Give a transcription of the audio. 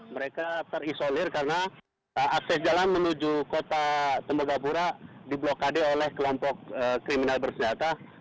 mereka terisolir karena akses jalan menuju kota tembagapura diblokade oleh kelompok kriminal bersenjata